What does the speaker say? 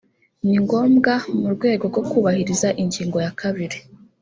ni ngombwa mu rwego rwo kubahiriza ingingo ya kabiri